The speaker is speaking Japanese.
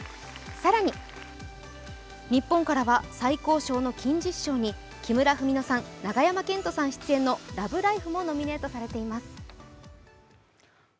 更に日本からは最高賞の金獅子賞に木村文乃さん永山絢斗さん出演の「ＬＯＶＥＬＩＦＥ」もノミネートされています。